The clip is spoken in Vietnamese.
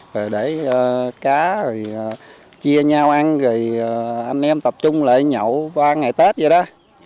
rồi để cá rồi chia nhau ăn rồi anh em tập trung lại nhậu qua ngày tết vậy đó